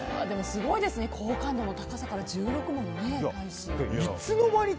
すごいですね好感度の高さから１６もの大使。